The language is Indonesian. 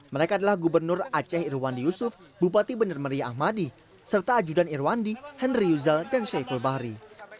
mereka adalah gubernur aceh irwandi yusuf bupati benar meriah ahmadi serta ajudan irwandi henry yuzal dan syaiful bahri